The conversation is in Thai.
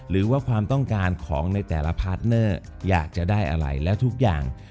หรือว่าความต้องการของในแต่ละพาร์ทเนอร์อยากจะได้อะไรแล้วทุกอย่าง